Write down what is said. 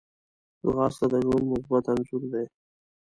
ځغاسته د ژوند مثبت انځور دی